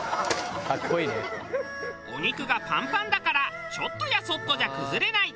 お肉がパンパンだからちょっとやそっとじゃ崩れない。